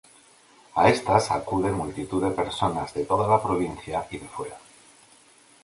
A estas acude multitud de personas de toda la provincia y de fuera.